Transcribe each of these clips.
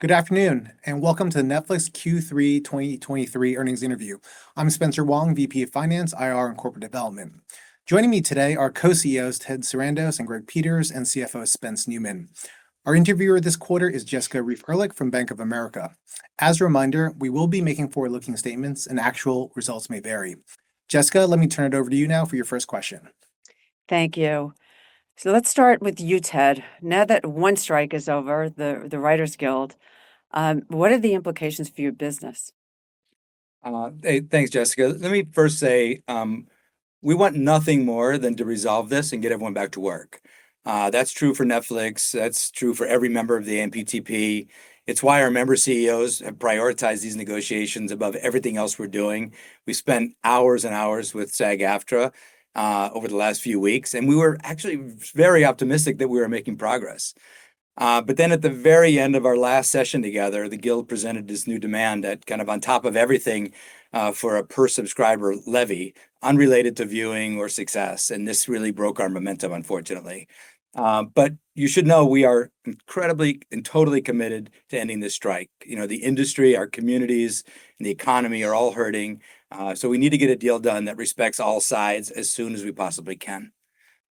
Good afternoon, and welcome to the Netflix Q3 2023 earnings interview. I'm Spencer Wang, VP of Finance, IR, and Corporate Development. Joining me today are co-CEOs Ted Sarandos and Greg Peters, and CFO Spencer Neumann. Our interviewer this quarter is Jessica Reif Ehrlich from Bank of America. As a reminder, we will be making forward-looking statements, and actual results may vary. Jessica, let me turn it over to you now for your first question. Thank you. So let's start with you, Ted. Now that one strike is over, the Writers Guild, what are the implications for your business? Hey, thanks, Jessica. Let me first say, we want nothing more than to resolve this and get everyone back to work. That's true for Netflix; that's true for every member of the AMPTP. It's why our member CEOs have prioritized these negotiations above everything else we're doing. We spent hours and hours with SAG-AFTRA, over the last few weeks, and we were actually very optimistic that we were making progress. But then, at the very end of our last session together, the Guild presented this new demand that kind of on top of everything, for a per-subscriber levy, unrelated to viewing or success, and this really broke our momentum, unfortunately. But you should know we are incredibly and totally committed to ending this strike. You know, the industry, our communities, and the economy are all hurting, so we need to get a deal done that respects all sides as soon as we possibly can.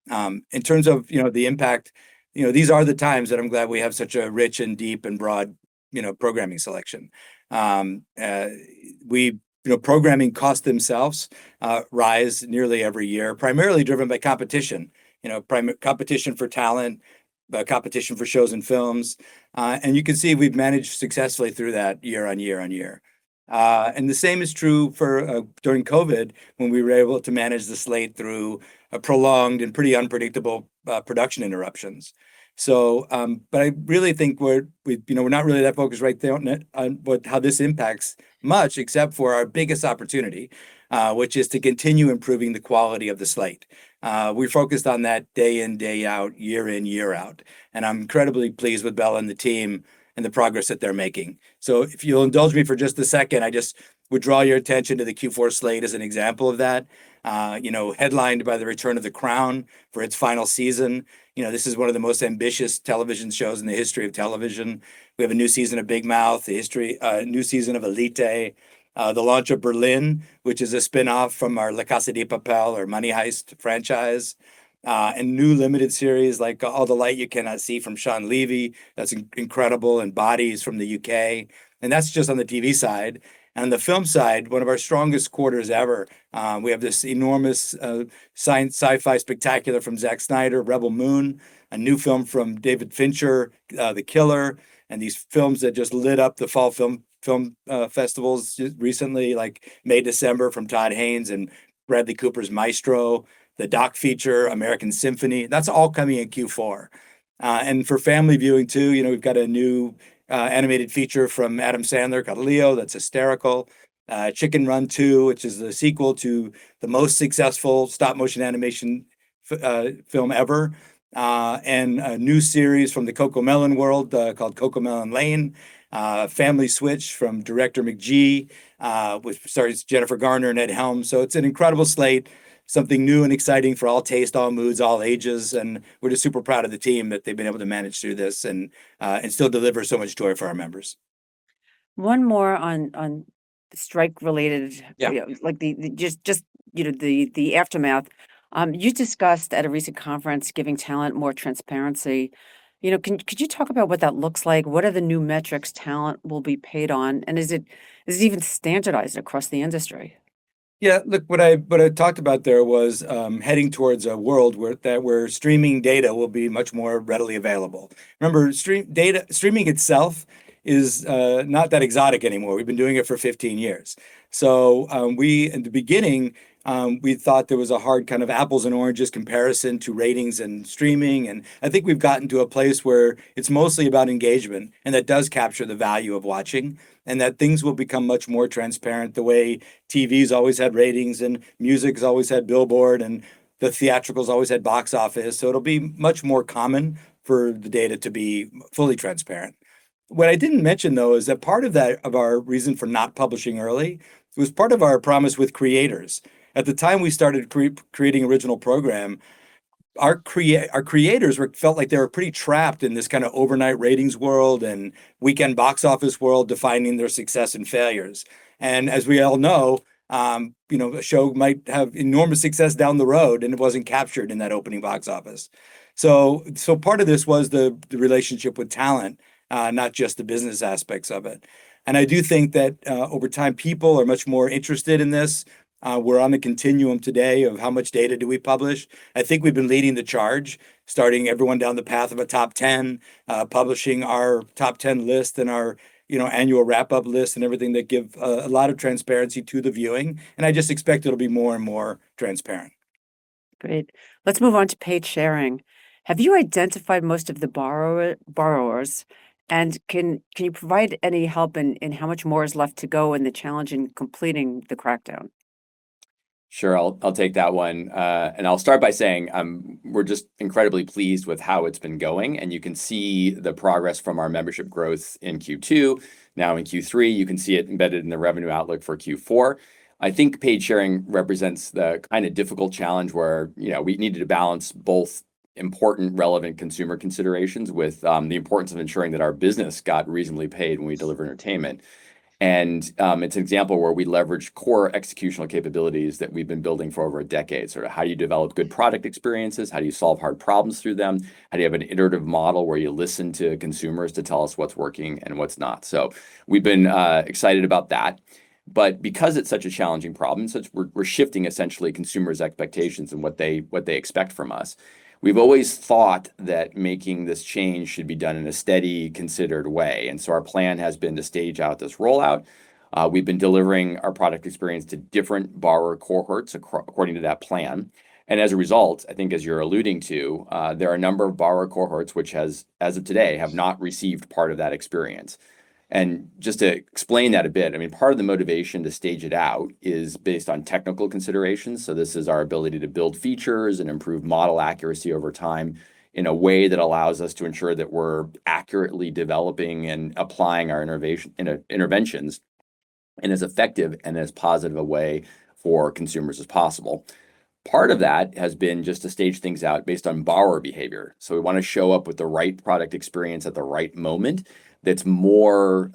In terms of, you know, the impact, you know, these are the times that I'm glad we have such a rich and deep and broad, you know, programming selection. You know, programming costs themselves rise nearly every year, primarily driven by competition. You know, competition for talent, by competition for shows and films, and you can see we've managed successfully through that year on year on year. And the same is true for, during COVID, when we were able to manage the slate through a prolonged and pretty unpredictable, production interruptions. So, but I really think we're, you know, we're not really that focused right down it on, but how this impacts much, except for our biggest opportunity, which is to continue improving the quality of the slate. We're focused on that day in, day out, year in, year out, and I'm incredibly pleased with Bela and the team and the progress that they're making. So if you'll indulge me for just a second, I just would draw your attention to the Q4 slate as an example of that. You know, headlined by the return of The Crown for its final season. You know, this is one of the most ambitious television shows in the history of television. We have a new season of Big Mouth, new season of Elite, the launch of Berlin, which is a spin-off from our La Casa de Papel or Money Heist franchise. And new limited series, like All the Light We Cannot See from Shawn Levy, that's incredible, and Bodies from the U.K., and that's just on the TV side. On the film side, one of our strongest quarters ever. We have this enormous sci-fi spectacular from Zack Snyder, Rebel Moon. A new film from David Fincher, The Killer. And these films that just lit up the fall film festivals just recently, like May December from Todd Haynes and Bradley Cooper's Maestro, the doc feature, American Symphony. That's all coming in Q4. And for family viewing, too, you know, we've got a new, animated feature from Adam Sandler, Leo that's hysterical. Chicken Run 2, which is the sequel to the most successful stop-motion animation film ever. And a new series from the Cocomelon world, called Cocomelon Lane. Family Switch from director McG, with stars Jennifer Garner and Ed Helms. So it's an incredible slate, something new and exciting for all tastes, all moods, all ages, and we're just super proud of the team that they've been able to manage through this and still deliver so much joy for our members. One more on the strike-related. Yeah Like, the just, you know, the aftermath. You discussed at a recent conference, giving talent more transparency. You know, could you talk about what that looks like? What are the new metrics talent will be paid on, and is it even standardized across the industry? Yeah, look, what I talked about there was heading towards a world where streaming data will be much more readily available. Remember, streaming data-streaming itself is not that exotic anymore. We've been doing it for 15 years. So, in the beginning, we thought there was a hard kind of apples and oranges comparison to ratings and streaming, and I think we've gotten to a place where it's mostly about engagement, and that does capture the value of watching, and that things will become much more transparent the way TV's always had ratings, and music's always had Billboard, and the theatrical's always had box office. So it'll be much more common for the data to be fully transparent. What I didn't mention, though, is that part of that, of our reason for not publishing early was part of our promise with creators. At the time we started creating original program, our creators felt like they were pretty trapped in this kinda overnight ratings world and weekend box office world defining their success and failures. And as we all know, you know, a show might have enormous success down the road, and it wasn't captured in that opening box office. So part of this was the relationship with talent, not just the business aspects of it. And I do think that over time, people are much more interested in this. We're on the continuum today of how much data do we publish. I think we've been leading the charge, starting everyone down the path of Top 10, publishing Top 10 list and our, you know, annual wrap-up list and everything that give a lot of transparency to the viewing, and I just expect it'll be more and more transparent. Great. Let's move on to paid sharing. Have you identified most of the borrowers, and can you provide any help in how much more is left to go and the challenge in completing the crackdown? Sure, I'll, I'll take that one. And I'll start by saying, we're just incredibly pleased with how it's been going, and you can see the progress from our membership growth in Q2. Now, in Q3, you can see it embedded in the revenue outlook for Q4. I think paid sharing represents the kind of difficult challenge where, you know, we needed to balance both important, relevant consumer considerations with the importance of ensuring that our business got reasonably paid when we deliver entertainment. And, it's an example where we leverage core executional capabilities that we've been building for over a decade. Sort of how you develop good product experiences, how do you solve hard problems through them? How do you have an iterative model where you listen to consumers to tell us what's working and what's not? So we've been excited about that. But because it's such a challenging problem, since we're shifting essentially consumers' expectations and what they expect from us, we've always thought that making this change should be done in a steady, considered way, and so our plan has been to stage out this rollout. We've been delivering our product experience to different borrower cohorts according to that plan. And as a result, I think as you're alluding to, there are a number of borrower cohorts which has, as of today, have not received part of that experience. And just to explain that a bit, I mean, part of the motivation to stage it out is based on technical considerations. So this is our ability to build features and improve model accuracy over time in a way that allows us to ensure that we're accurately developing and applying our innovative interventions, in as effective and as positive a way for consumers as possible. Part of that has been just to stage things out based on borrower behavior. So we wanna show up with the right product experience at the right moment. That's more,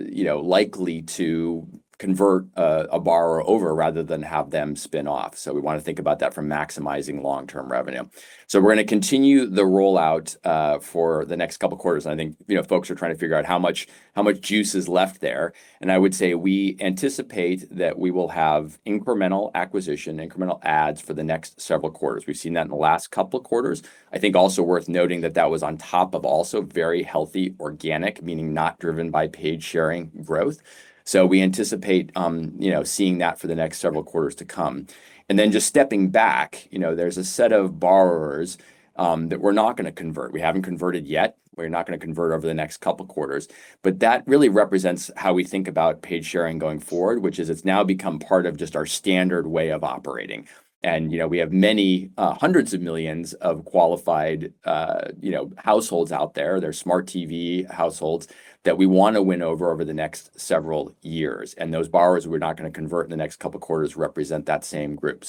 you know, likely to convert a borrower over rather than have them spin off. So we wanna think about that from maximizing long-term revenue. So we're gonna continue the rollout for the next couple of quarters. And I think, you know, folks are trying to figure out how much juice is left there. I would say we anticipate that we will have incremental acquisition, incremental ads for the next several quarters. We've seen that in the last couple of quarters. I think also worth noting that that was on top of also very healthy, organic, meaning not driven by paid sharing growth. So we anticipate, you know, seeing that for the next several quarters to come. Then just stepping back, you know, there's a set of borrowers that we're not gonna convert. We haven't converted yet. We're not gonna convert over the next couple of quarters, but that really represents how we think about paid sharing going forward, which is it's now become part of just our Standard way of operating. You know, we have many hundreds of millions of qualified, you know, households out there. They're smart TV households that we wanna win over the next several years. Those borrowers we're not gonna convert in the next couple of quarters represent that same group.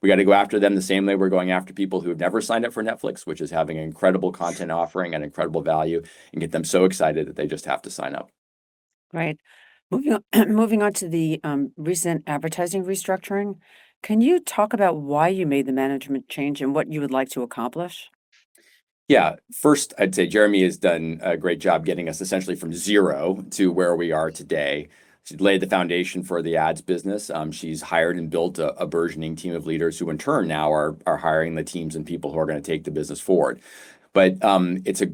We got to go after them the same way we're going after people who have never signed up for Netflix, which is having an incredible content offering and incredible value, and get them so excited that they just have to sign up. Great! Moving on, moving on to the recent Advertising restructuring. Can you talk about why you made the management change and what you would like to accomplish? Yeah. First, I'd say Jeremi has done a great job getting us essentially from zero to where we are today. She laid the foundation for the ads business. She's hired and built a burgeoning team of leaders who, in turn, now are hiring the teams and people who are gonna take the business forward. But, it's a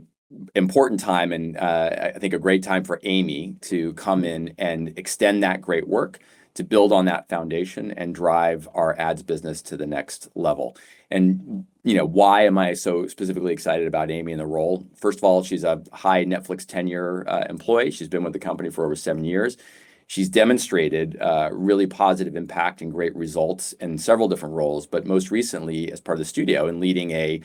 important time and I think a great time for Amy to come in and extend that great work, to build on that foundation and drive our ads business to the next level. And, you know, why am I so specifically excited about Amy and the role? First of all, she's a high Netflix tenure employee. She's been with the company for over seven years. She's demonstrated really positive impact and great results in several different roles, but most recently, as part of the studio and leading a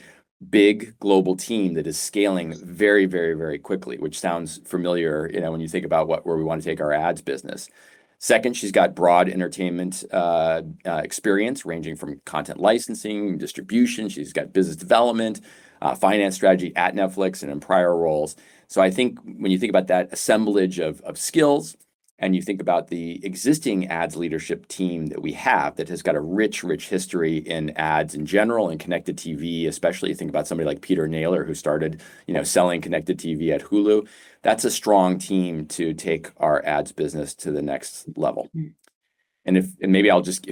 big global team that is scaling very, very, very quickly. Which sounds familiar, you know, when you think about what—where we want to take our ads business. Second, she's got broad entertainment experience, ranging from content licensing, distribution. She's got business development, finance strategy at Netflix and in prior roles. So I think when you think about that assemblage of skills, and you think about the existing ads leadership team that we have, that has got a rich, rich history in ads in general and Connected TV especially, you think about somebody like Peter Naylor, who started, you know, selling Connected TV at Hulu. That's a strong team to take our ads business to the next level. Maybe I'll just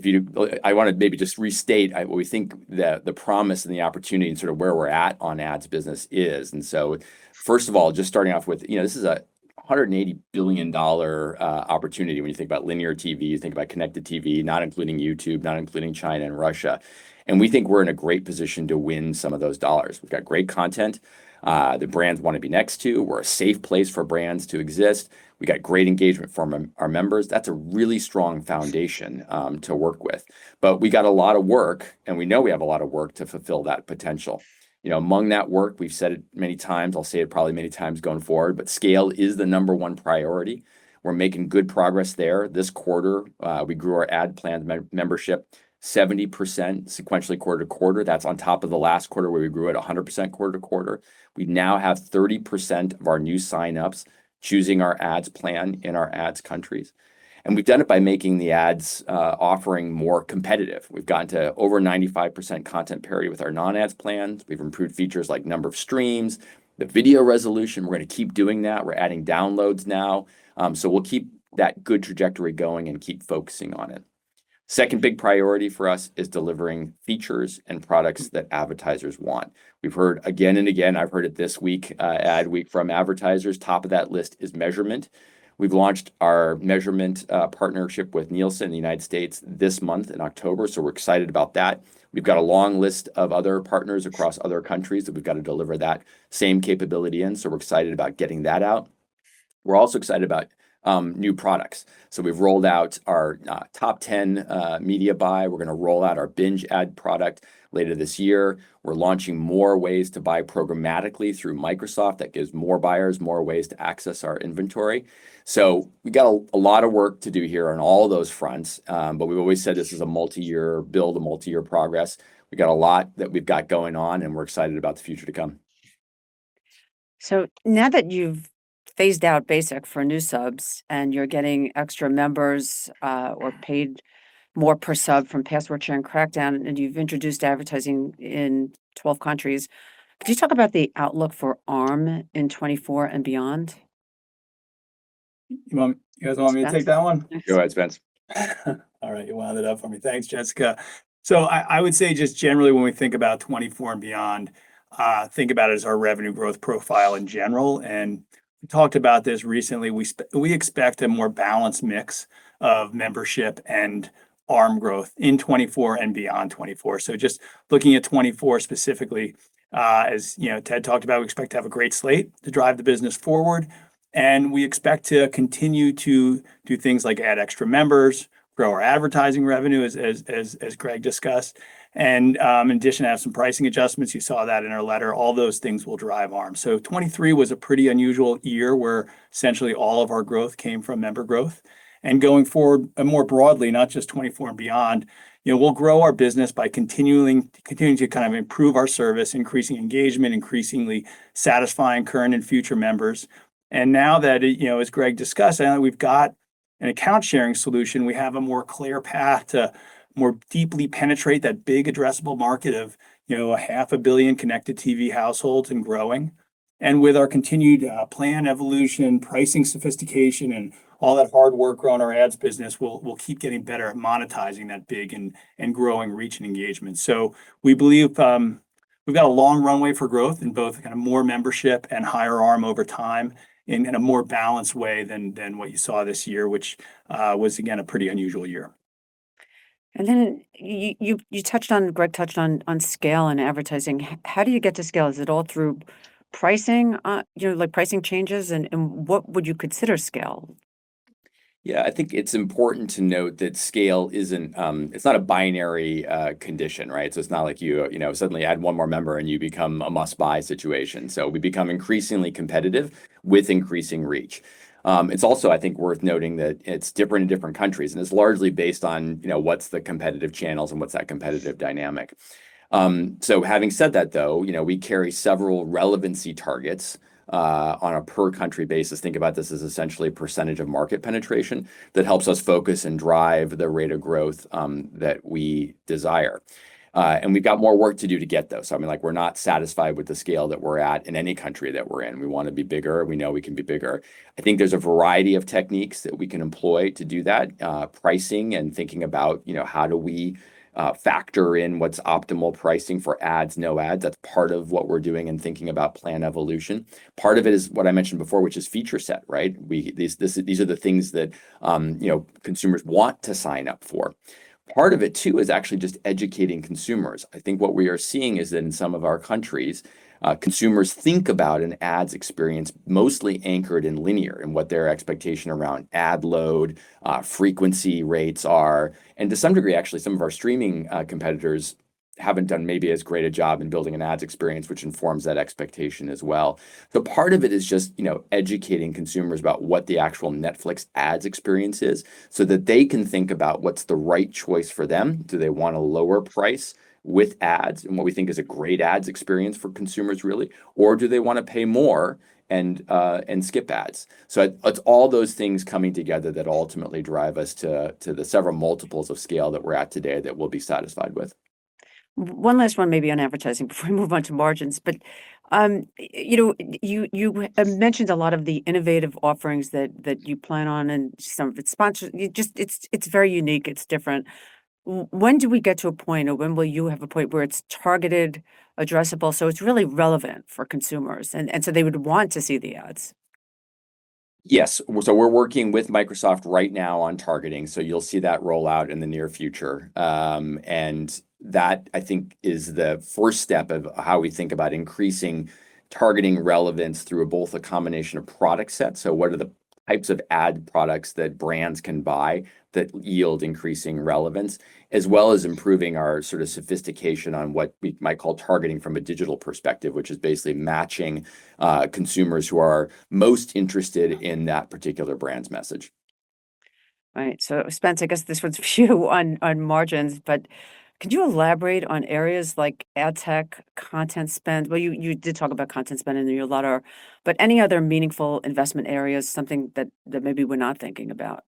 restate. We think that the promise and the opportunity and sort of where we're at on ads business is. And so, first of all, just starting off with, you know, this is a $180 billion opportunity. When you think about linear TV, you think about Connected TV, not including YouTube, not including China and Russia. And we think we're in a great position to win some of those dollars. We've got great content that brands wanna be next to. We're a safe place for brands to exist. We got great engagement from our members. That's a really strong foundation to work with. But we got a lot of work, and we know we have a lot of work to fulfill that potential. You know, among that work, we've said it many times, I'll say it probably many times going forward, but scale is the number one priority. We're making good progress there. This quarter, we grew our ad plan membership 70% sequentially, quarter-over-quarter. That's on top of the last quarter, where we grew at 100% quarter-over-quarter. We now have 30% of our new signups choosing our ads plan in our ads countries, and we've done it by making the ads offering more competitive. We've gotten to over 95% content parity with our non-ads plans. We've improved features like number of streams, the video resolution. We're gonna keep doing that. We're adding downloads now, so we'll keep that good trajectory going and keep focusing on it. Second big priority for us is delivering features and products that advertisers want. We've heard again and again, I've heard it this week, ADWEEK, from advertisers. Top of that list is measurement. We've launched our measurement partnership with Nielsen in the United States this month in October, so we're excited about that. We've got a long list of other partners across other countries that we've got to deliver that same capability in, so we're excited about getting that out. We're also excited about new products. So we've rolled out Top 10 media buy. We're gonna roll out our binge ad product later this year. We're launching more ways to buy programmatically through Microsoft. That gives more buyers more ways to access our inventory. So we got a lot of work to do here on all of those fronts. But we've always said this is a multi-year build, a multi-year progress. We've got a lot that we've got going on, and we're excited about the future to come. So now that you've phased out Basic for new subs, and you're getting extra members, or paid more per sub from password sharing crackdown, and you've introduced Advertising in 12 countries, could you talk about the outlook for ARM in 2024 and beyond? You guys want me to take that one? Go ahead, Spence. All right, you wound it up for me. Thanks, Jessica. So I would say just generally when we think about 2024 and beyond, think about it as our revenue growth profile in general, and we talked about this recently. We expect a more balanced mix of membership and ARM growth in 2024 and beyond 2024. So just looking at 2024 specifically, as you know, Ted talked about, we expect to have a great slate to drive the business forward, and we expect to continue to do things like add extra members, grow our Advertising revenue, as Greg discussed, and in addition, add some pricing adjustments. You saw that in our letter. All those things will drive ARM. So 2023 was a pretty unusual year, where essentially all of our growth came from member growth. Going forward, more broadly, not just 2024 and beyond, you know, we'll grow our business by continuing to kind of improve our service, increasing engagement, increasingly satisfying current and future members. And now that, you know, as Greg discussed, now we've got an account sharing solution, we have a more clear path to more deeply penetrate that big addressable market of, you know, 500 million connected TV households and growing. And with our continued plan evolution, pricing sophistication, and all that hard work around our ads business, we'll keep getting better at monetizing that big and growing reach and engagement. So we believe, we've got a long runway for growth in both kind of more membership and higher ARM over time, in a more balanced way than what you saw this year, which was, again, a pretty unusual year. And then Greg touched on scale and advertising. How do you get to scale? Is it all through pricing, you know, like, pricing changes, and what would you consider scale? Yeah, I think it's important to note that scale isn't. It's not a binary condition, right? So it's not like you, you know, suddenly add one more member and you become a must-buy situation. So we become increasingly competitive with increasing reach. It's also, I think, worth noting that it's different in different countries, and it's largely based on, you know, what's the competitive channels and what's that competitive dynamic. So having said that, though, you know, we carry several relevancy targets on a per-country basis. Think about this as essentially percentage of market penetration that helps us focus and drive the rate of growth that we desire. And we've got more work to do to get those. I mean, like, we're not satisfied with the scale that we're at in any country that we're in. We want to be bigger. We know we can be bigger. I think there's a variety of techniques that we can employ to do that. Pricing and thinking about, you know, how do we factor in what's optimal pricing for ads, no ads? That's part of what we're doing and thinking about plan evolution. Part of it is what I mentioned before, which is feature set, right? These are the things that, you know, consumers want to sign up for. Part of it, too, is actually just educating consumers. I think what we are seeing is that in some of our countries, consumers think about an ads experience mostly anchored in linear and what their expectation around ad load, frequency rates are. To some degree, actually, some of our streaming competitors haven't done maybe as great a job in building an ads experience, which informs that expectation as well. So part of it is just, you know, educating consumers about what the actual Netflix ads experience is, so that they can think about what's the right choice for them. Do they want a lower price with ads, and what we think is a great ads experience for consumers, really? Or do they want to pay more and skip ads? So it's all those things coming together that ultimately drive us to the several multiples of scale that we're at today that we'll be satisfied with. One last one maybe on Advertising before we move on to margins. But, you know, you mentioned a lot of the innovative offerings that you plan on and some of it's sponsor. You just it's very unique. It's different. When do we get to a point, or when will you have a point where it's targeted, addressable, so it's really relevant for consumers, and so they would want to see the ads? Yes. So we're working with Microsoft right now on targeting, so you'll see that roll out in the near future. And that, I think, is the first step of how we think about increasing targeting relevance through both a combination of product set. So what are the types of ad products that brands can buy that yield increasing relevance, as well as improving our sort of sophistication on what we might call targeting from a digital perspective, which is Basically matching, consumers who are most interested in that particular brand's message. All right, so, Spence, I guess this one's for you on margins, but could you elaborate on areas like ad tech, content spend? Well, you did talk about content spend in your letter, but any other meaningful investment areas, something that maybe we're not thinking about?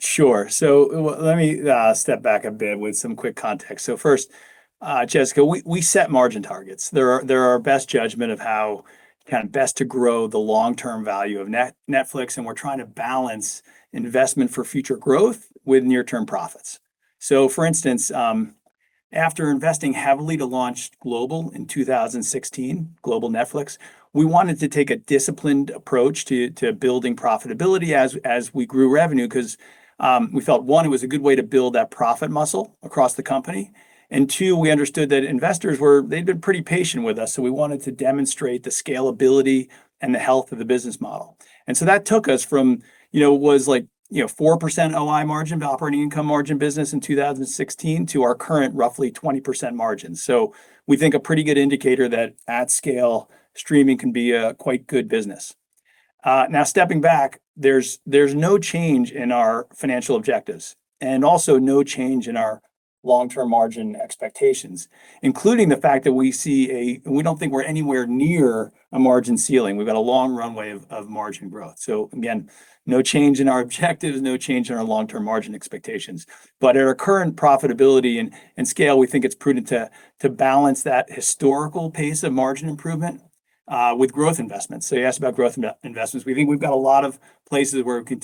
Sure. So let me step back a bit with some quick context. So first, Jessica, we set margin targets. They're our best judgment of how kind of best to grow the long-term value of Netflix, and we're trying to balance investment for future growth with near-term profits. So, for instance, after investing heavily to launch Global in 2016, Global Netflix, we wanted to take a disciplined approach to building profitability as we grew revenue, because we felt, one, it was a good way to build that profit muscle across the company, and two, we understood that investors were, they'd been pretty patient with us, so we wanted to demonstrate the scalability and the health of the business model. And so that took us from, you know, was like, you know, 4% OI margin to operating income margin business in 2016 to our current roughly 20% margin. So we think a pretty good indicator that at scale, streaming can be a quite good business. Now, stepping back, there's no change in our financial objectives and also no change in our long-term margin expectations, including the fact that we see, we don't think we're anywhere near a margin ceiling. We've got a long runway of margin growth. So again, no change in our objectives, no change in our long-term margin expectations. But at our current profitability and scale, we think it's prudent to balance that historical pace of margin improvement with growth investments. So you asked about growth investments. We think we've got a lot of places where we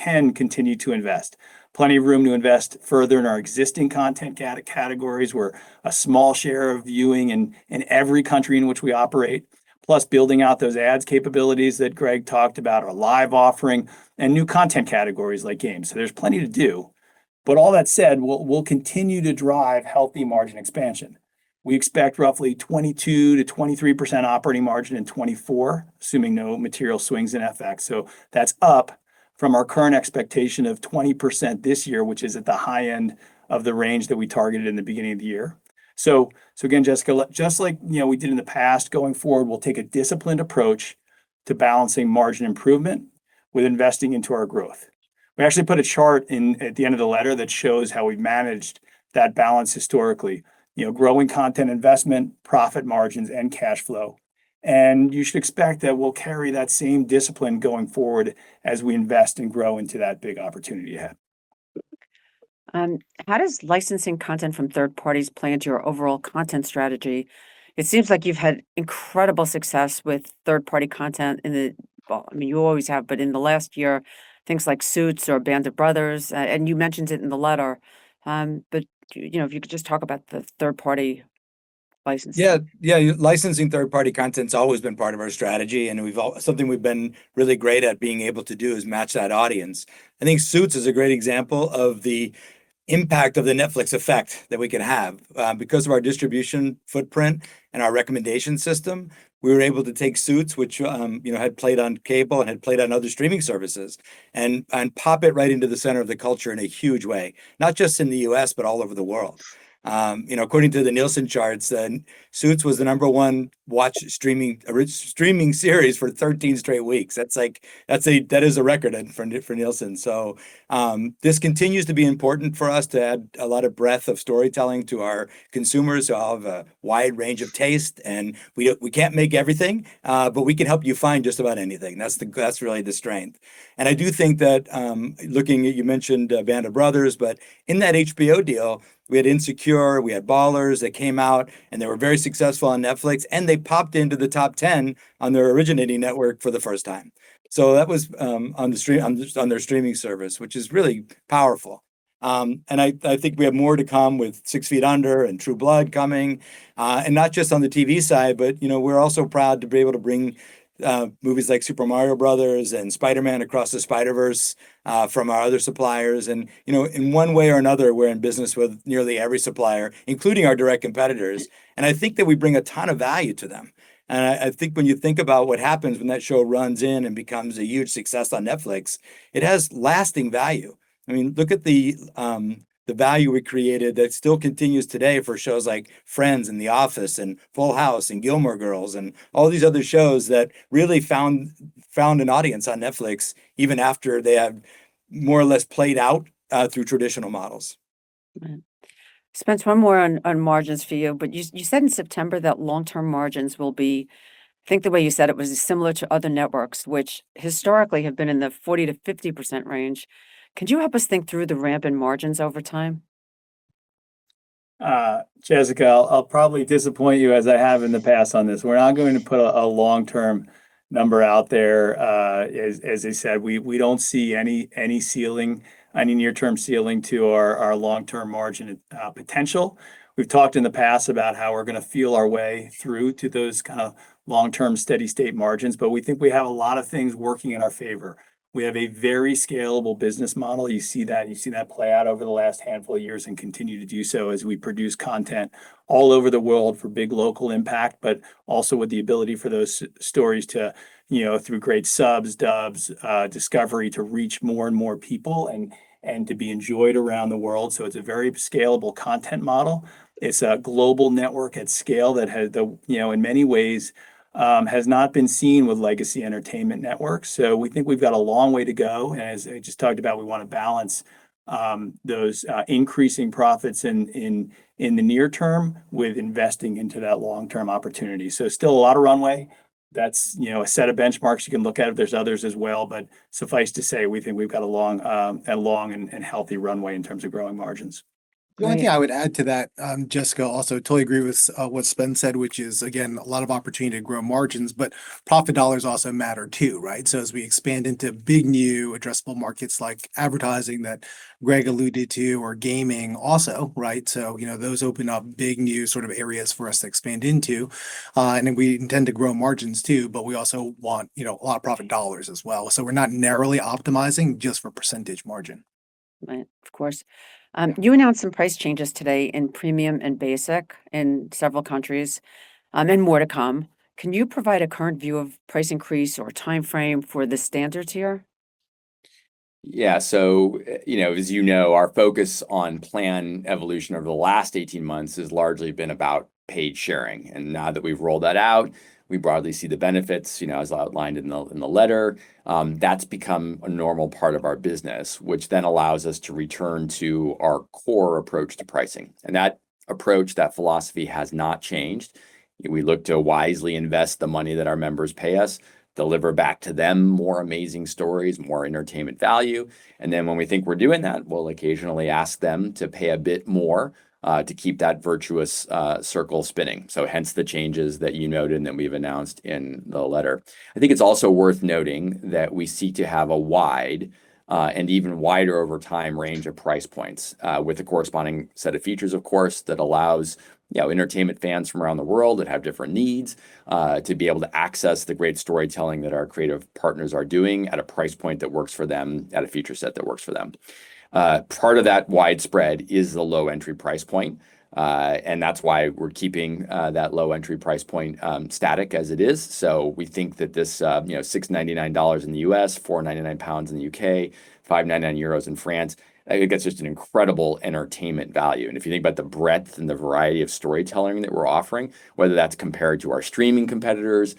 can continue to invest. Plenty of room to invest further in our existing content categories. We're a small share of viewing in every country in which we operate, plus building out those ads capabilities that Greg talked about, our live offering, and new content categories like games. So there's plenty to do, but all that said, we'll continue to drive healthy margin expansion. We expect roughly 22%-23% operating margin in 2024, assuming no material swings in FX. So that's up from our current expectation of 20% this year, which is at the high end of the range that we targeted in the beginning of the year. So again, Jessica, just like, you know, we did in the past, going forward, we'll take a disciplined approach to balancing margin improvement with investing into our growth. We actually put a chart in at the end of the letter that shows how we've managed that balance historically. You know, growing content, investment, profit margins, and cash flow. You should expect that we'll carry that same discipline going forward as we invest and grow into that big opportunity ahead. How does licensing content from third parties play into your overall content strategy? It seems like you've had incredible success with third-party content—well, I mean, you always have, but in the last year, things like Suits or Band of Brothers, and you mentioned it in the letter, but, you know, if you could just talk about the third-party licensing. Yeah, yeah. Licensing third-party content's always been part of our strategy, and something we've been really great at being able to do is match that audience. I think Suits is a great example of the impact of the Netflix effect that we can have. Because of our distribution footprint and our recommendation system, we were able to take Suits, which, you know, had played on cable and had played on other streaming services, and pop it right into the center of the culture in a huge way, not just in the U.S., but all over the world. You know, according to the Nielsen charts, Suits was the number one watched streaming, original streaming series for 13 straight weeks. That's like, that's a, that is a record for Nielsen. So, this continues to be important for us to add a lot of breadth of storytelling to our consumers who have a wide range of taste, and we, we can't make everything, but we can help you find just about anything. That's the, that's really the strength. And I do think that, looking at, you mentioned, Band of Brothers, but in that HBO deal, we had Insecure, we had Ballers that came out, and they were very successful on Netflix, and they popped into Top 10 on their originating network for the first time. So that was, on the stream, on, on their streaming service, which is really powerful. I, I think we have more to come with Six Feet Under and True Blood coming, and not just on the TV side, but, you know, we're also proud to be able to bring movies like Super Mario Bros. and Spider-Man: Across the Spider-Verse from our other suppliers. And, you know, in one way or another, we're in business with nearly every supplier, including our direct competitors, and I think that we bring a ton of value to them. And I, I think when you think about what happens when that show runs in and becomes a huge success on Netflix, it has lasting value. I mean, look at the value we created that still continues today for shows like Friends, and The Office, and Full House, and Gilmore Girls, and all these other shows that really found an audience on Netflix, even after they have more or less played out through traditional models. Right. Spence, one more on margins for you, but you said in September that long-term margins will be... I think the way you said it was similar to other networks, which historically have been in the 40%-50% range. Could you help us think through the ramp in margins over time? Jessica, I'll probably disappoint you, as I have in the past on this. We're not going to put a long-term number out there. As I said, we don't see any ceiling, any near-term ceiling to our long-term margin potential. We've talked in the past about how we're gonna feel our way through to those kind of long-term, steady-state margins, but we think we have a lot of things working in our favor. We have a very scalable business model. You see that, you've seen that play out over the last handful of years and continue to do so as we produce content all over the world for big local impact, but also with the ability for those stories to, you know, through great subs, dubs, discovery, to reach more and more people and to be enjoyed around the world. So it's a very scalable content model. It's a global network at scale that has, you know, in many ways, has not been seen with legacy entertainment networks. So we think we've got a long way to go. And as I just talked about, we want to balance those increasing profits in the near term with investing into that long-term opportunity. So still a lot of runway. That's, you know, a set of benchmarks you can look at, if there's others as well, but suffice to say, we think we've got a long, a long and healthy runway in terms of growing margins. The only thing I would add to that, Jessica, also totally agree with what Spence said, which is again, a lot of opportunity to grow margins, but profit dollars also matter too, right? So as we expand into big, new addressable markets like Advertising that Greg alluded to, or gaming also, right? So, you know, those open up big new sort of areas for us to expand into. And we intend to grow margins too, but we also want, you know, a lot of profit dollars as well. So we're not narrowly optimizing just for percentage margin. Right. Of course. You announced some price changes today in Premium and Basic in several countries, and more to come. Can you provide a current view of price increase or timeframe for the Standard tier? Yeah. So, you know, as you know, our focus on plan evolution over the last 18 months has largely been about paid sharing. And now that we've rolled that out, we broadly see the benefits. You know, as outlined in the letter. That's become a normal part of our business, which then allows us to return to our core approach to pricing. And that approach, that philosophy, has not changed. We look to wisely invest the money that our members pay us, deliver back to them more amazing stories, more entertainment value, and then when we think we're doing that, we'll occasionally ask them to pay a bit more to keep that virtuous circle spinning. So hence the changes that you noted and that we've announced in the letter. I think it's also worth noting that we seek to have a wide, and even wider over time range of price points, with the corresponding set of features, of course, that allows, you know, entertainment fans from around the world that have different needs, to be able to access the great storytelling that our creative partners are doing at a price point that works for them, at a feature set that works for them. Part of that widespread is the low entry price point, and that's why we're keeping that low entry price point static as it is. So we think that this, you know, $6.99 in the U.S., 4.99 pounds in the U.K., 5.99 euros in France, I think that's just an incredible entertainment value. If you think about the breadth and the variety of storytelling that we're offering, whether that's compared to our streaming competitors,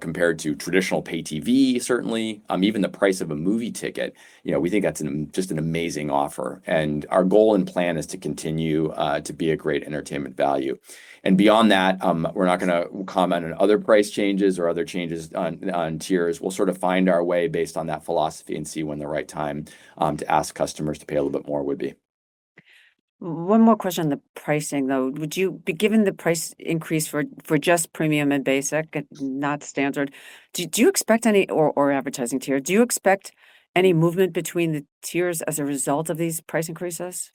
compared to traditional paid TV, certainly, even the price of a movie ticket, you know, we think that's just an amazing offer. Our goal and plan is to continue to be a great entertainment value. And beyond that, we're not gonna comment on other price changes or other changes on tiers. We'll sort of find our way based on that philosophy and see when the right time to ask customers to pay a little bit more would be. One more question on the pricing, though. Would you be, given the price increase for just Premium and Basic, not Standard, or Advertising tier, do you expect any movement between the tiers as a result of these price increases?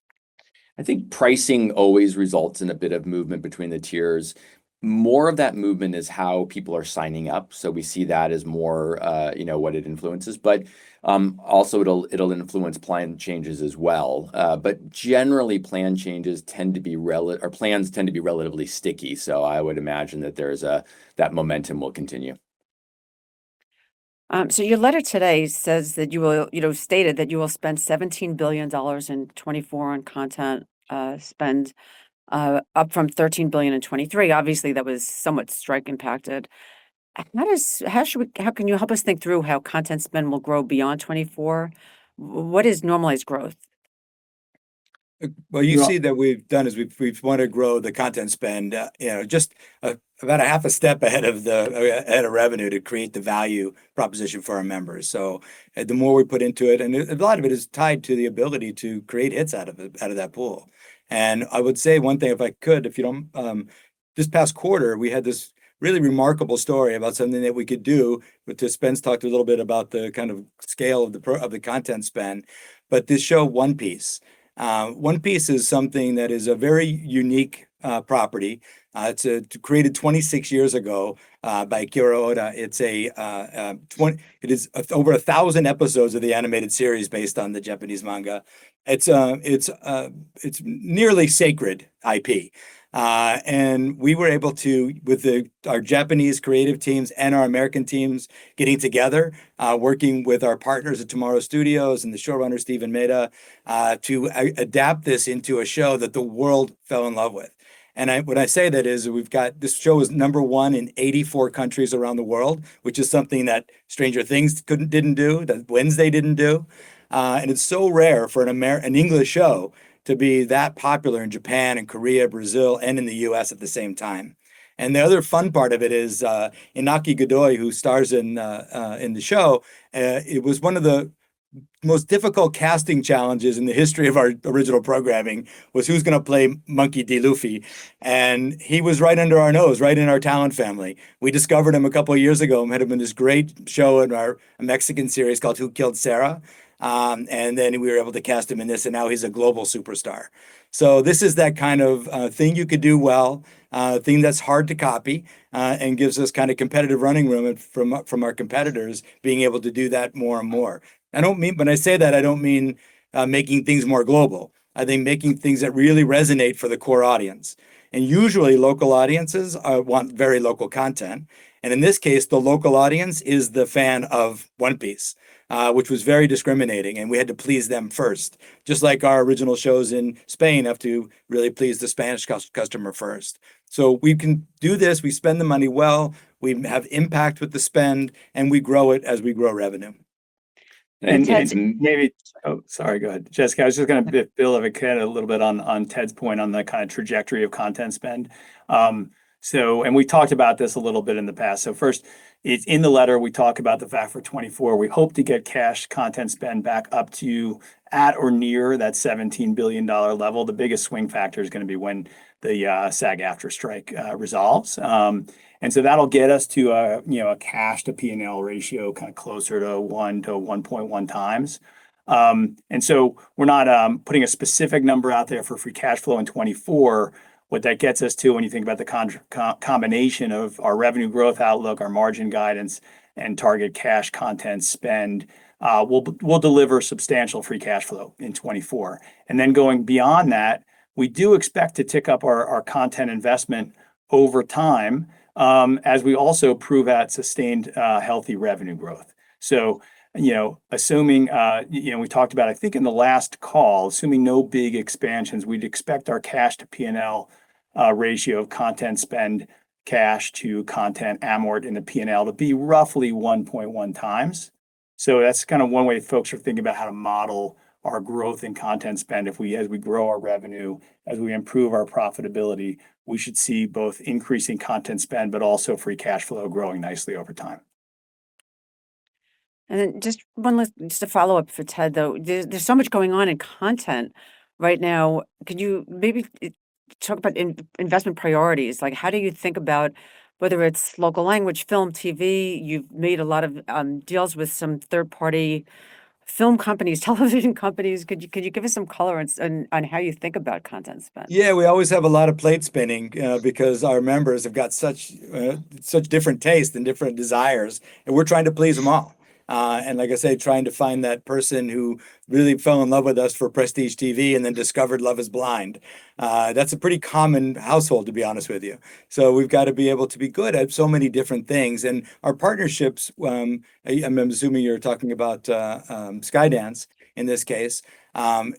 I think pricing always results in a bit of movement between the tiers. More of that movement is how people are signing up, so we see that as more, you know, what it influences. But also it'll influence plan changes as well. But generally, plan changes tend to be or plans tend to be relatively sticky, so I would imagine that that momentum will continue. So your letter today says that you will, you know, stated that you will spend $17 billion in 2024 on content, up from $13 billion in 2023. Obviously, that was somewhat strike impacted. How can you help us think through how content spend will grow beyond 2024? What is normalized growth? Well, you see that we've done is we've wanted to grow the content spend, you know, just about a half a step ahead of revenue to create the value proposition for our members. So the more we put into it, and a lot of it is tied to the ability to create hits out of that pool. And I would say one thing, if I could, if you don't, this past quarter, we had this really remarkable story about something that we could do, which Spence talked a little bit about the kind of scale of the content spend, but this show, One Piece. One Piece is something that is a very unique property. It's created 26 years ago by Eiichiro Oda. It is over 1,000 episodes of the animated series based on the Japanese manga. It's nearly sacred IP. And we were able to, with our Japanese creative teams and our American teams getting together, working with our partners at Tomorrow Studios and the showrunner, Steven Maeda, to adapt this into a show that the world fell in love with. When I say that is, we've got this show is number one in 84 countries around the world, which is something that Stranger Things couldn't, didn't do, that Wednesday didn't do. And it's so rare for an English show to be that popular in Japan and Korea, Brazil, and in the U.S. at the same time. And the other fun part of it is, Iñaki Godoy, who stars in the show, it was one of the most difficult casting challenges in the history of our original programming, was who's gonna play Monkey D. Luffy? And he was right under our nose, right in our talent family. We discovered him a couple of years ago. He had been in this great show in our Mexican series called Who Killed Sara? And then we were able to cast him in this, and now he's a global superstar. So this is that kind of thing you could do well, thing that's hard to copy, and gives us kind of competitive running room from our competitors, being able to do that more and more. I don't mean, when I say that, I don't mean making things more global. I think making things that really resonate for the core audience. And usually, local audiences want very local content, and in this case, the local audience is the fan of One Piece, which was very discriminating, and we had to please them first. Just like our original shows in Spain have to really please the Spanish customer first. So we can do this. We spend the money well, we have impact with the spend, and we grow it as we grow revenue. And maybe, oh, sorry, go ahead, Jessica. I was just going to build a little bit on Ted's point on the kind of trajectory of content spend. So, and we talked about this a little bit in the past. So first, in the letter, we talk about the fact for 2024, we hope to get cash content spend back up to at or near that $17 billion level. The biggest swing factor is going to be when the SAG-AFTRA strike resolves. And so that'll get us to a, you know, a cash to P&L ratio kind of closer to 1x-1.1x. And so we're not putting a specific number out there for free cash flow in 2024. What that gets us to, when you think about the combination of our revenue growth outlook, our margin guidance, and target cash content spend, we'll deliver substantial free cash flow in 2024. And then going beyond that, we do expect to tick up our content investment over time, as we also prove out sustained, healthy revenue growth. So, you know, assuming, you know, we talked about, I think in the last call, assuming no big expansions, we'd expect our cash to P&L ratio of content spend, cash to content amort in the P&L to be roughly 1.1x. So that's kind of one way folks are thinking about how to model our growth in content spend. If, as we grow our revenue, as we improve our profitability, we should see both increasing content spend, but also free cash flow growing nicely over time. And then just one last, just a follow-up for Ted, though. There's so much going on in content right now. Could you maybe talk about investment priorities? Like, how do you think about whether it's local language, film, TV, you've made a lot of deals with some third-party film companies, television companies. Could you give us some color on how you think about content spend? Yeah, we always have a lot of plates spinning, because our members have got such different tastes and different desires, and we're trying to please them all. And like I say, trying to find that person who really fell in love with us for Prestige TV and then discovered Love is Blind. That's a pretty common household, to be honest with you. So we've got to be able to be good at so many different things. And our partnerships, I'm assuming you're talking about Skydance in this case,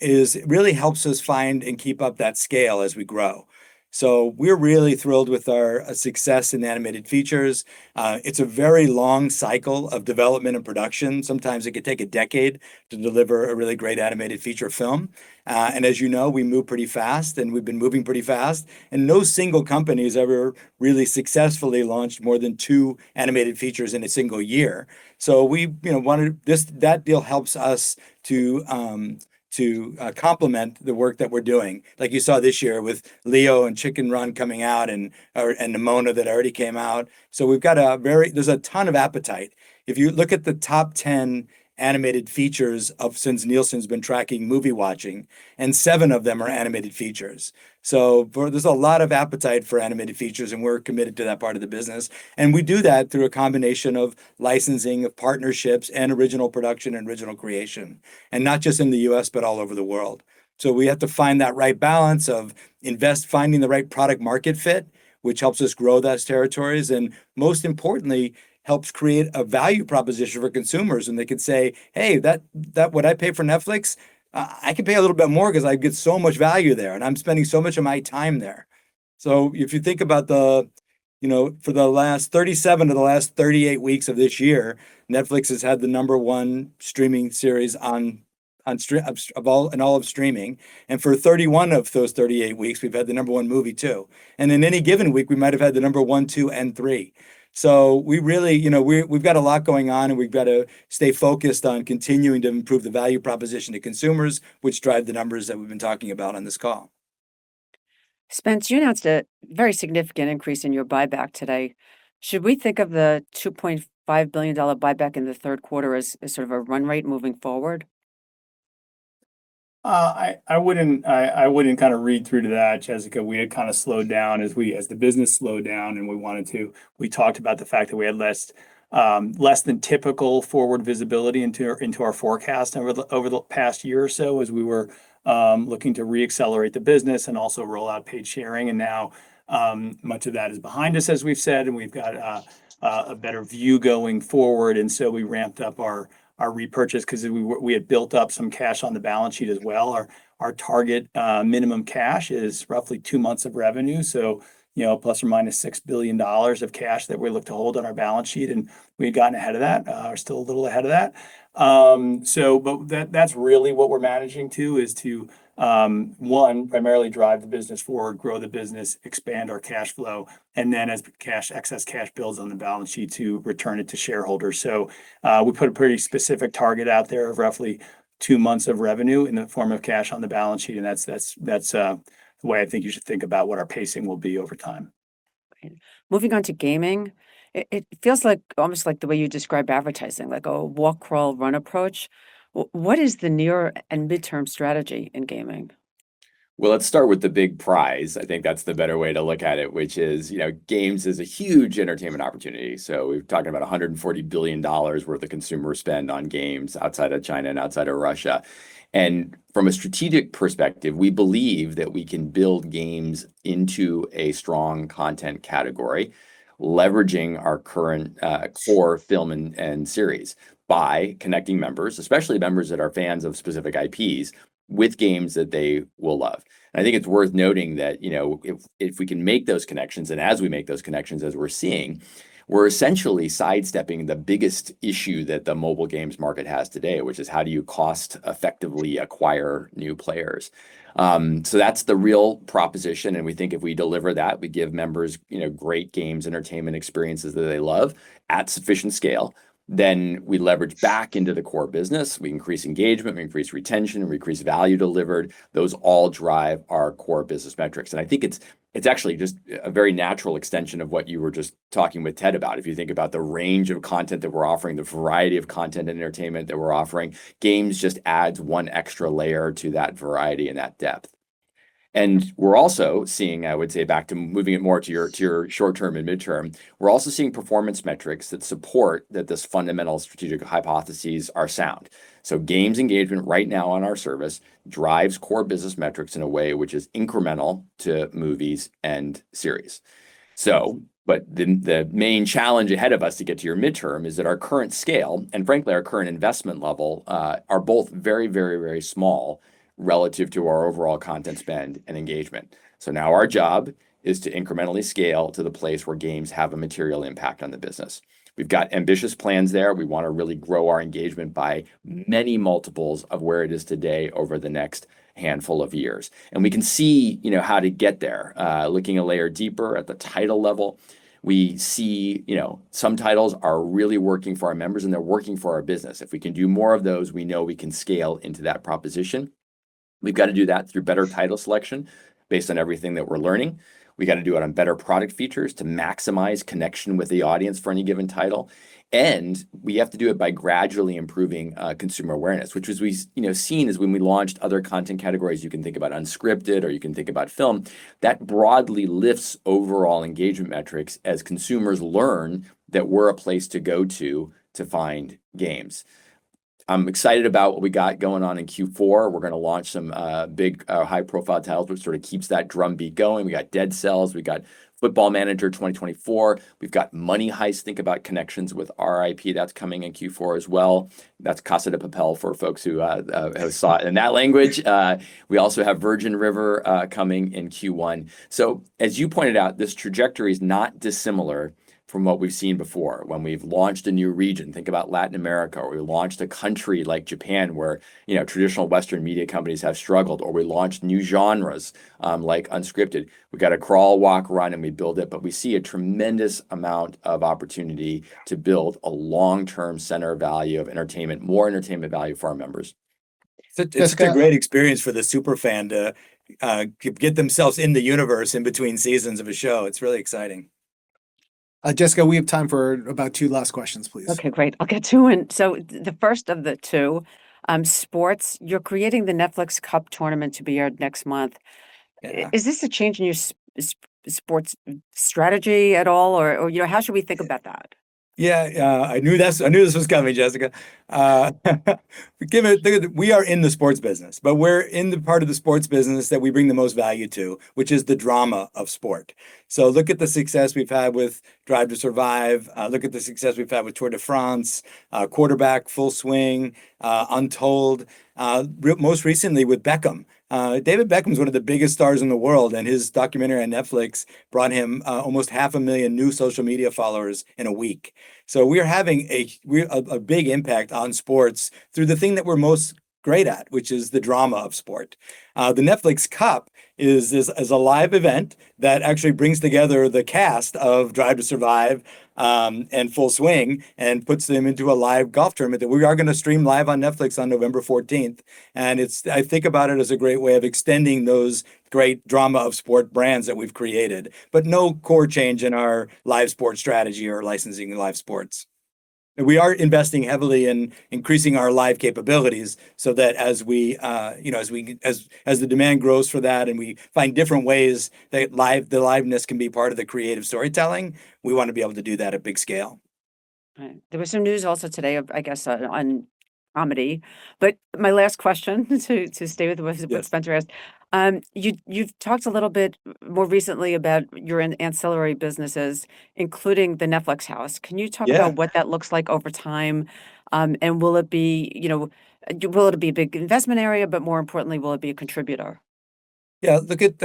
is really helps us find and keep up that scale as we grow. So we're really thrilled with our success in animated features. It's a very long cycle of development and production. Sometimes it could take a decade to deliver a really great animated feature film. And as you know, we move pretty fast, and we've been moving pretty fast, and no single company has ever really successfully launched more than two animated features in a single year. So we, you know, wanted this, that deal helps us to complement the work that we're doing. Like you saw this year with Leo and Chicken Run coming out and, or, and Nimona that already came out. So we've got a very, there's a ton of appetite. If you look at the Top 10 animated features of since Nielsen's been tracking movie watching, and seven of them are animated features. So for, there's a lot of appetite for animated features, and we're committed to that part of the business, and we do that through a combination of licensing, of partnerships, and original production and original creation. And not just in the U.S., but all over the world. So we have to find that right balance of invest, finding the right product market fit, which helps us grow those territories, and most importantly, helps create a value proposition for consumers. And they could say, "Hey, that's what I pay for Netflix, I can pay a little bit more because I get so much value there, and I'm spending so much of my time there." So if you think about the, you know, for the last 37 to the last 38 weeks of this year, Netflix has had the number one streaming series of all, in all of streaming. And for 31 of those 38 weeks, we've had the number one movie, too. And in any given week, we might have had the number one, two, and three. So we really, you know, we've got a lot going on, and we've got to stay focused on continuing to improve the value proposition to consumers, which drive the numbers that we've been talking about on this call. Spence, you announced a very significant increase in your buyback today. Should we think on the $2.5 billion buyback in the third quarter as sort of a run rate moving forward? I wouldn't kind of read through to that, Jessica. We had kind of slowed down as the business slowed down, and we wanted to, we talked about the fact that we had less than typical forward visibility into our forecast over the past year or so, as we were looking to re-accelerate the business and also roll out paid sharing. And now, much of that is behind us, as we've said, and we've got a better view going forward. And so we ramped up our repurchase 'cause we had built up some cash on the balance sheet as well. Our target minimum cash is roughly two months of revenue, so, you know, ±$6 billion of cash that we look to hold on our balance sheet, and we've gotten ahead of that, are still a little ahead of that. So but that, that's really what we're managing to, is to, one, primarily drive the business forward, grow the business, expand our cash flow, and then as cash, excess cash builds on the balance sheet, to return it to shareholders. So, we put a pretty specific target out there of roughly two months of revenue in the form of cash on the balance sheet, and that's, that's, that's, the way I think you should think about what our pacing will be over time. Moving on to gaming, it feels like almost like the way you describe Advertising, like a walk, crawl, run approach. What is the near and midterm strategy in gaming? Well, let's start with the big prize. I think that's the better way to look at it, which is, you know, games is a huge entertainment opportunity. So we're talking about $140 billion worth of consumer spend on games outside of China and outside of Russia. And from a strategic perspective, we believe that we can build games into a strong content category, leveraging our current, core film and series by connecting members, especially members that are fans of specific IPs, with games that they will love. And I think it's worth noting that, you know, if we can make those connections, and as we make those connections, as we're seeing, we're essentially sidestepping the biggest issue that the mobile games market has today, which is: how do you cost-effectively acquire new players? So that's the real proposition, and we think if we deliver that, we give members, you know, great games, entertainment experiences that they love at sufficient scale, then we leverage back into the core business. We increase engagement, we increase retention, we increase value delivered. Those all drive our core business metrics, and I think it's actually just a very natural extension of what you were just talking with Ted about. If you think about the range of content that we're offering, the variety of content and entertainment that we're offering, games just adds one extra layer to that variety and that depth. And we're also seeing, I would say, back to moving it more to your short term and mid-term, we're also seeing performance metrics that support that this fundamental strategic hypotheses are sound. So games engagement right now on our service drives core business metrics in a way which is incremental to movies and series. So, but the main challenge ahead of us to get to your mid-term is that our current scale, and frankly, our current investment level, are both very, very, very small relative to our overall content spend and engagement. So now our job is to incrementally scale to the place where games have a material impact on the business. We've got ambitious plans there. We want to really grow our engagement by many multiples of where it is today over the next handful of years, and we can see, you know, how to get there. Looking a layer deeper at the title level, we see, you know, some titles are really working for our members, and they're working for our business. If we can do more of those, we know we can scale into that proposition. We've got to do that through better title selection based on everything that we're learning. We got to do it on better product features to maximize connection with the audience for any given title, and we have to do it by gradually improving consumer awareness, which, as we've seen, is when we launched other content categories. You can think about Unscripted, or you can think about Film. That broadly lifts overall engagement metrics as consumers learn that we're a place to go to, to find games. I'm excited about what we got going on in Q4. We're gonna launch some big high-profile titles, which sort of keeps that drumbeat going. We got Dead Cells, we got Football Manager 2024, we've got Money Heist. Think about connections with our IP. That's coming in Q4 as well. That's Casa de Papel for folks who have saw it in that language. We also have Virgin River coming in Q1. So as you pointed out, this trajectory is not dissimilar from what we've seen before when we've launched a new region. Think about Latin America, or we launched a country like Japan, where, you know, traditional Western media companies have struggled, or we launched new genres, like Unscripted. We got a crawl, walk, run, and we build it, but we see a tremendous amount of opportunity to build a long-term center value of entertainment, more entertainment value for our members. So it's a great experience for the super fan to get themselves in the universe in between seasons of a show. It's really exciting. Jessica, we have time for about two last questions, please. Okay, great. I'll get two in. So the first of the two, sports, you're creating the Netflix Cup tournament to be aired next month. Yeah. Is this a change in your sports strategy at all, or, you know, how should we think about that? Yeah, yeah, I knew that, I knew this was coming, Jessica. Given we are in the sports business, but we're in the part of the sports business that we bring the most value to, which is the drama of sport. So look at the success we've had with Drive to Survive. Look at the success we've had with Tour de France, Quarterback, Full Swing, Untold, most recently with Beckham. David Beckham is one of the biggest stars in the world, and his documentary on Netflix brought him almost 500,000 new social media followers in a week. So we are having a big impact on sports through the thing that we're most great at, which is the drama of sport. The Netflix Cup is this, is a live event that actually brings together the cast of Drive to Survive and Full Swing, and puts them into a live golf tournament that we are gonna stream live on Netflix on November fourteenth. And it's- I think about it as a great way of extending those great drama of sport brands that we've created, but no core change in our live sport strategy or licensing live sports. We are investing heavily in increasing our live capabilities so that as we, you know, as we, as the demand grows for that and we find different ways that live- the liveness can be part of the creative storytelling, we want to be able to do that at big scale. Right. There was some news also today, I guess, on comedy. But my last question, to stay with what Spencer asked. Yes. You've talked a little bit more recently about your ancillary businesses, including the Netflix House. Yeah. Can you talk about what that looks like over time? And will it be, you know, will it be a big investment area, but more importantly, will it be a contributor? Yeah, look at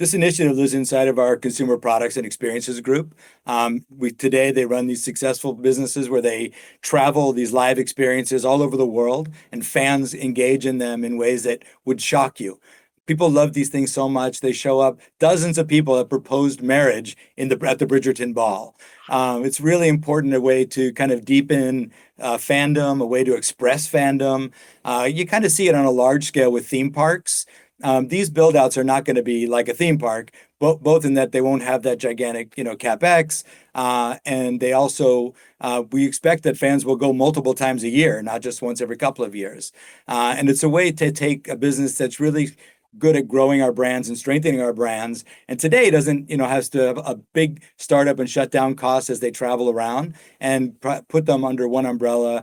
this initiative lives inside of our consumer products and experiences group. Today, they run these successful businesses where they travel these live experiences all over the world, and fans engage in them in ways that would shock you. People love these things so much. They show up, dozens of people have proposed marriage at the Bridgerton Ball. It's really important, a way to kind of deepen fandom, a way to express fandom. You kind of see it on a large scale with theme parks. These build-outs are not gonna be like a theme park, both in that they won't have that gigantic, you know, CapEx, and they also, we expect that fans will go multiple times a year, not just once every couple of years. And it's a way to take a business that's really good at growing our brands and strengthening our brands, and today doesn't, you know, have to have a big start-up and shutdown cost as they travel around, and put them under one umbrella,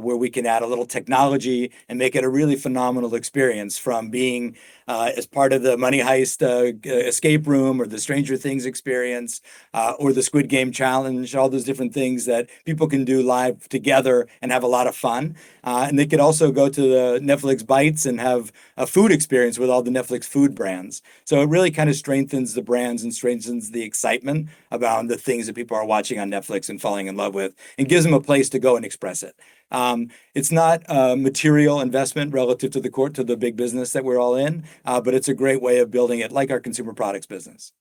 where we can add a little technology and make it a really phenomenal experience, from being as part of the Money Heist, Escape Room, or the Stranger Things experience, or the Squid Game Challenge, all those different things that people can do live together and have a lot of fun. And they could also go to the Netflix Bites and have a food experience with all the Netflix food brands. So it really kind of strengthens the brands and strengthens the excitement about the things that people are watching on Netflix and falling in love with and gives them a place to go and express it. It's not a material investment relative to the core, to the big business that we're all in, but it's a great way of building it, like our consumer products business.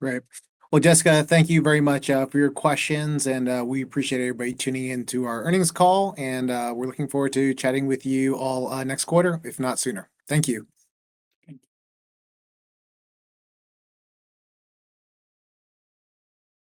Great. Well, Jessica, thank you very much for your questions, and we appreciate everybody tuning in to our earnings call, and we're looking forward to chatting with you all next quarter, if not sooner. Thank you. Thank you.